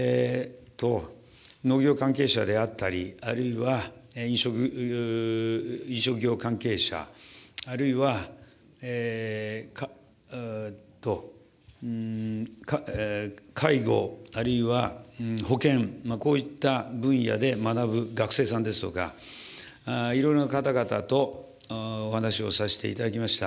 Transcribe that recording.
農業関係者であったり、あるいは飲食業関係者、あるいは、介護あるいは、保険、こういった分野で学ぶ学生さんですとか、いろいろな方々と、お話しをさせていただきました。